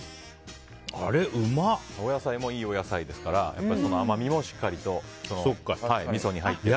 お野菜もいいお野菜ですからその甘みもしっかりとみそに入っていて。